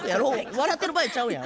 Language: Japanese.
笑ってる場合ちゃうやん。